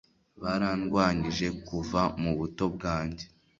Barandwanyije kuva mu buto bwanjye